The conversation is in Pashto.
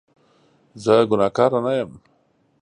زه ګناکاره نه یم